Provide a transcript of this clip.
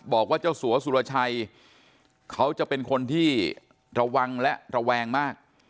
บอกว่าเจ้าสัวสุรชัยเขาจะเป็นคนที่ระวังและระแวงมาก